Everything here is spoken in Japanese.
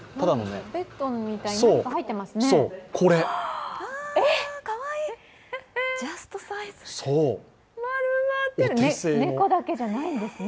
ベッドみたいに、何か入ってますね。